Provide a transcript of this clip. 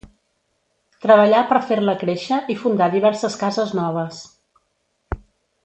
Treballà per fer-la créixer i fundà diverses cases noves.